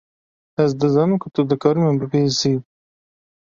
Ez dizanim ku tu dikarî min bibihîsî.